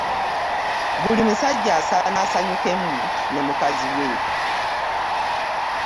Buli musajja asaana asanyukemu ne mukazi we.